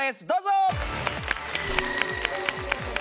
どうぞ！